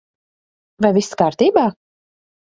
Vai viss kārtībā?